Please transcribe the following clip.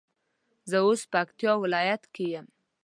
زه اوس پکتيا ولايت کي يم